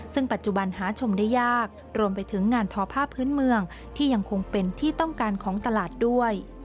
ซึ่งปัจจุบันหาชมได้ยากรวมไปถึงงานทอผ้าพื้นเมืองที่ยังคงเป็นที่ต้องการของตลาดด้วย